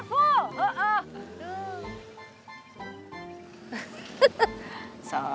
kadang kadang sudah sok